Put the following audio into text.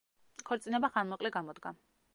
ქორწინება ხანმოკლე გამოდგა.